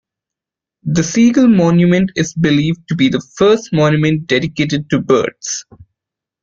The Seagull Monument is believed to be the first monument dedicated to birds.